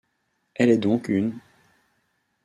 Elle est donc une '.